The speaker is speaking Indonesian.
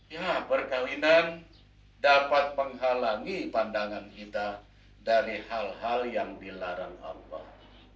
ya perkawinan dapat menghalangi pandangan kita dari hal hal yang dilarang allah